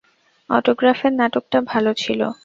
অটোগ্রাফের নাটকটা ভালো ছিলো।